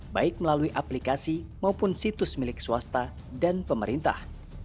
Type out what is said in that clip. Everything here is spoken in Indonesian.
baik melalui aplikasi maupun situs milik swasta dan pemerintah